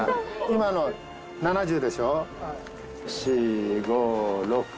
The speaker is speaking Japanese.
今の７０でしょ。